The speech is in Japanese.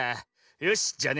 よしじゃあね